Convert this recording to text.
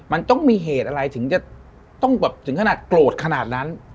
มันต้องมีเหตุอะไรถึงจะต้องแบบถึงขนาดโกรธขนาดนั้น